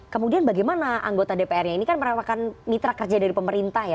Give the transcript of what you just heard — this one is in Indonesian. kemudian bagaimana anggota dpr nya ini kan merupakan mitra kerja dari pemerintah ya